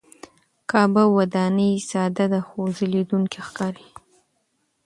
کعبه وداني ساده ده خو ځلېدونکې ښکاري.